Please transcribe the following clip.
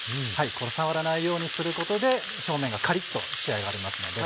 触らないようにすることで表面がカリっと仕上がりますので。